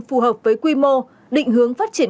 phù hợp với quy mô định hướng phát triển